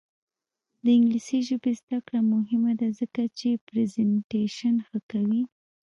د انګلیسي ژبې زده کړه مهمه ده ځکه چې پریزنټیشن ښه کوي.